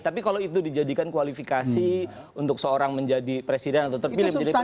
tapi kalau itu dijadikan kualifikasi untuk seorang menjadi presiden atau terpilih menjadi presiden